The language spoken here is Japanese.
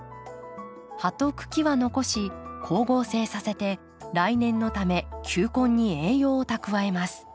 葉と茎は残し光合成させて来年のため球根に栄養を蓄えます。